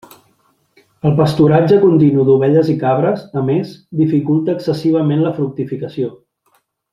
El pasturatge continu d'ovelles i cabres, a més, dificulta excessivament la fructificació.